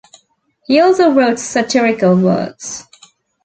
He also wrote satirical works.